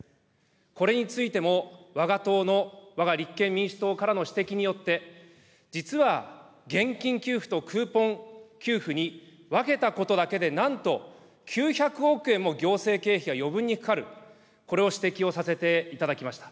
これについても、わが党の、わが立憲民主党からの指摘によって、実は現金給付とクーポン給付に分けたことだけで、なんと９００億円も行政経費が余分にかかる、これを指摘をさせていただきました。